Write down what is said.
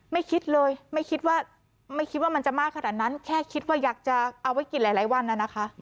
ไม่คิดเลยไม่คิดว่าไม่คิดว่ามันจะมากขนาดนั้นแค่คิดว่าอยากจะเอาไว้กินหลายวันน่ะนะคะ